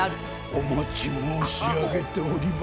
お待ち申し上げておりました。